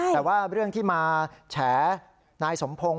แต่ว่าเรื่องที่มาแฉนายสมพงศ์